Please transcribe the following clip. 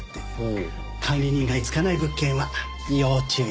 管理人が居着かない物件は要注意。